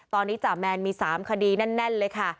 ตอนนี้จ่าแมนมี๓คดีแน่นเลยค่ะ